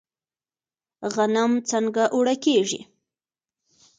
غنم څنګه اوړه کیږي؟